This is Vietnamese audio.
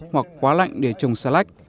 hoặc quá lạnh để trồng xà lách